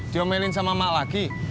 diomelin sama mak lagi